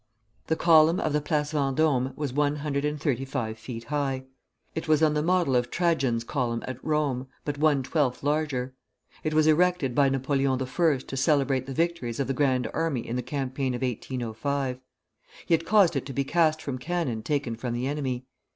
The column of the Place Vendôme was one hundred and thirty five feet high. It was on the model of Trajan's column at Rome, but one twelfth larger. It was erected by Napoleon I. to celebrate the victories of the Grand Army in the campaign of 1805. He had caused it to be cast from cannon taken from the enemy.